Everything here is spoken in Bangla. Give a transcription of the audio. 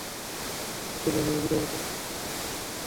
কিন্তু ব্রাজিলকে যেভাবে বিদায় নিতে হলো, সেটি নিয়েই এখন তুমুল সমালোচনা।